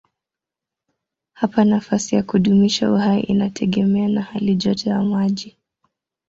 Hapa nafasi ya kudumisha uhai inategemea na halijoto ya maji.